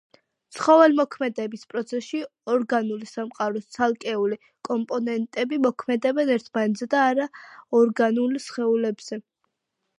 ცხოველმოქმედების პროცესში ორგანული სამყაროს ცალკეული კომპონენტები მოქმედებენ ერთმანეთზე და არაორგანულ სხეულებზე.